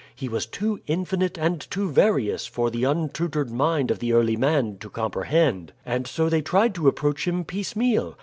He was too infinite and too various for the untutored mind of the early man to comprehend, and so they tried to approach him piecemeal.